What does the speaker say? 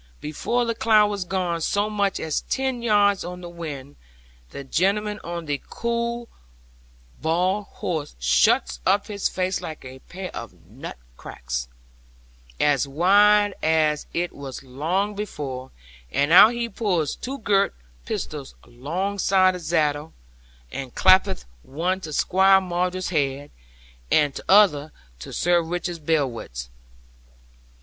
Before the cloud was gone so much as ten yards on the wind, the gentleman on the cue bald horse shuts up his face like a pair of nut cracks, as wide as it was long before, and out he pulls two girt pistols longside of zaddle, and clap'th one to Squire Maunder's head, and tother to Sir Richard Blewitt's.